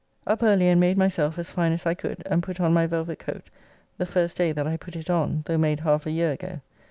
] Up early and made myself as fine as I could, and put on my velvet coat, the first day that I put it on, though made half a year ago.